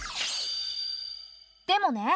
でもね。